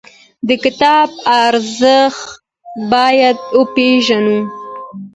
د کتاب ارزښت باید وپېژنو.